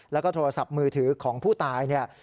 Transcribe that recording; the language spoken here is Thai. แล้วก็โทรศัพท์มือถือของผู้ตายเนี่ย